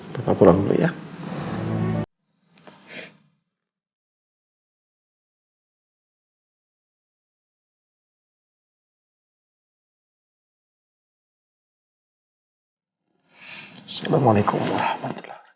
bapak pulang dulu ya